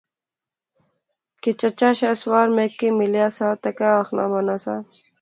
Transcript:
کہ چچا شاہ سوار میں کی ملیا سا تہ کہہ آخنا بانا سا